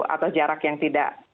atau jarak yang tidak